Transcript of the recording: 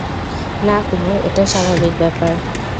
না কুমার, এটা স্বাভাবিক ব্যাপার।